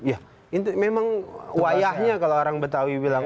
ya memang wayahnya kalau orang betawi bilang